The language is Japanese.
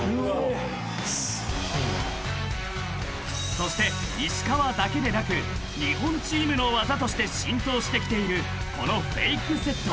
［そして石川だけでなく日本チームの技として浸透してきているこのフェイクセット］